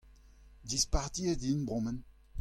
dispartiet int bremañ.